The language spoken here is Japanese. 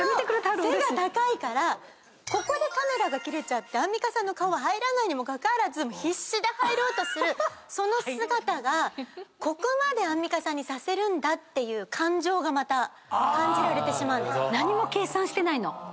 それでも背が高いからここでカメラが切れちゃってアンミカさんの顔が入らないにもかかわらず必死で入ろうとするその姿がここまでアンミカさんにさせるんだっていう感情がまた感じられてしまうんです。